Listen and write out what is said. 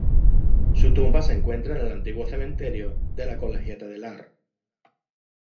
Su tumba se encuentra en el antiguo cementerio de la Colegiata de Lahr.